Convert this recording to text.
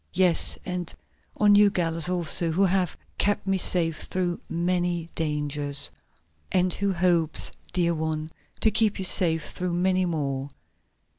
Yes, and on you Gallus also, who have kept me safe through so many dangers." "And who hopes, dear one, to keep you safe through many more.